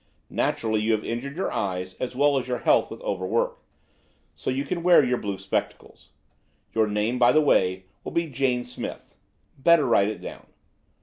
Naturally you have injured your eyes as well as your health with overwork; and so you can wear your blue spectacles. Your name, by the way, will be Jane Smith–better write it down.